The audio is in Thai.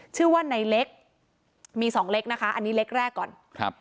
ชื่อว่าในเล็กมีสองเล็กนะคะอันนี้เล็กแรกก่อนครับ